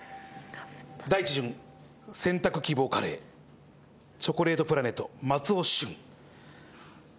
第１巡選択希望カレーチョコレートプラネット松尾駿。